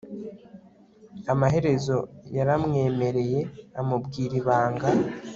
amaherezo, yaramwemereye amubwira ibanga